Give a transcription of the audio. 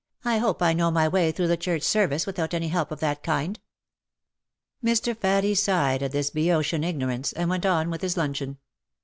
" I hope I know my way through the Church Service without any help of that kind. " Mr. Faddie sighed at this Boeotian ignorance, and went on with his luncheon.